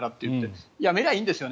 やめればいいんですよね。